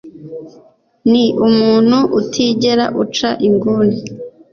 Ni umuntu utigera uca inguni.